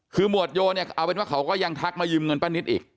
คือหมวดโยเนี่ยเอาเป็นว่าเขาก็ยังทักมายืมเงินป้านิตอีก